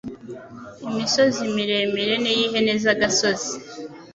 Imisozi miremire ni iy’ihene z’agasozi